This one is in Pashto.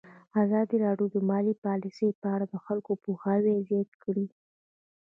ازادي راډیو د مالي پالیسي په اړه د خلکو پوهاوی زیات کړی.